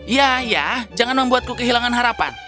ya ya jangan membuatku kehilangan harapan